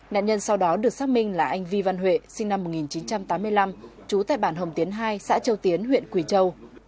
nạn nhân sau đó được xác minh là anh vi văn huệ sinh năm một nghìn chín trăm tám mươi năm trú tại bản hồng tiến hai xã châu tiến huyện quỳ châu